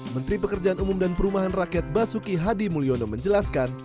menteri pekerjaan umum dan perumahan rakyat basuki hadi mulyono menjelaskan